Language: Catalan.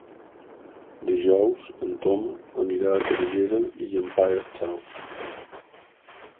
Dijous en Tom anirà a Camallera i Llampaies Saus.